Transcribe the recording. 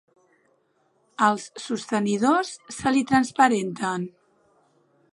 Els sostenidors se li transparenten.